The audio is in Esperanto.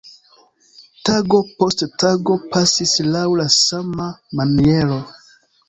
Tago post tago pasis laŭ la sama maniero.